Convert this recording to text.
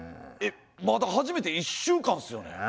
まだ始めて１週間すよね。